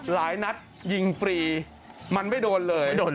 หลายนัดยิงฟรีมันไม่โดนเลย